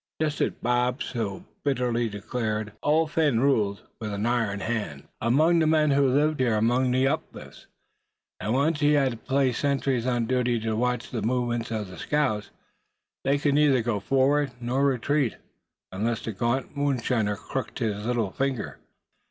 Just as Bob had so bitterly declared, Old Phin ruled with an iron hand among the men who lived here among the uplifts; and once he had placed sentries on duty to watch the movements of the scouts, they could neither go forward nor retreat, unless that gaunt moonshiner crooked his finger.